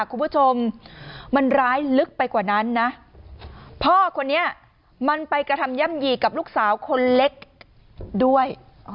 คุณผู้ชมมันร้ายลึกไปกว่านั้นนะพ่อคนนี้มันไปกระทำย่ำหยีกับลูกสาวคนเล็กด้วย